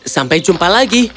sampai jumpa lagi